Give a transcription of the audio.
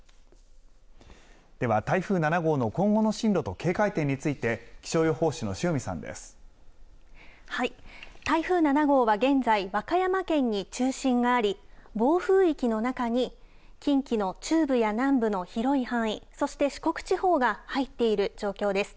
では台風７号の今後の進路と警戒点について、台風７号は現在、和歌山県に中心があり、暴風域の中に近畿の中部や南部の広い範囲、そして四国地方が入っている状況です。